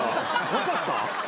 分かった？